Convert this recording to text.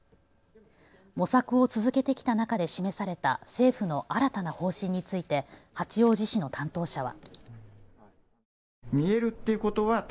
模索を続けてきた中で示された政府の新たな方針について八王子市の担当者は。